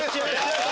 よし！